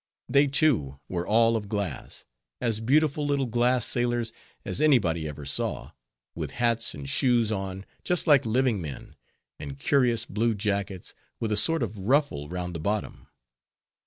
They, too, were all of glass, as beautiful little glass sailors as any body ever saw, with hats and shoes on, just like living men, and curious blue jackets with a sort of ruffle round the bottom.